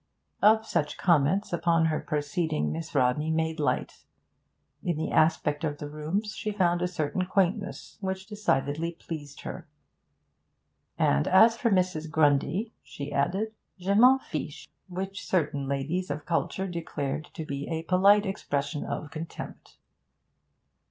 Of such comments upon her proceeding Miss Rodney made light; in the aspect of the rooms she found a certain 'quaintness' which decidedly pleased her. 'And as for Mrs. Grundy,' she added, 'je m'en fiche? which certain ladies of culture declared to be a polite expression of contempt.